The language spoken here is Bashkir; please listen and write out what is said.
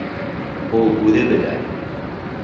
Ул үҙе белә.